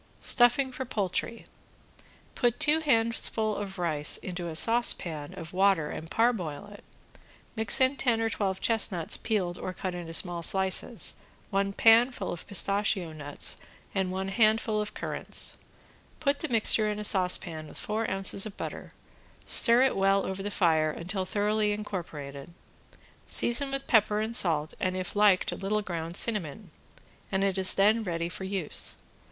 ~STUFFING FOR POULTRY~ Put two handfuls of rice into a saucepan of water and parboil it, mix in ten or twelve chestnuts peeled or cut into small slices, one pan full of pistachio nuts and one handful of currants. Put the mixture in a saucepan with four ounces of butter, stir it well over the fire until thoroughly incorporated, season with pepper and salt and if liked a little ground cinnamon, and it is then ready for use.